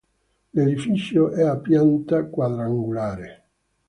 L'edificio è a pianta quadrangolare.